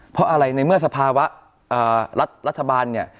เพราะอะไรในเมื่อศาภาวะรัฐบาล